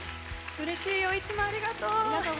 うれしいよ、いつもありがとう。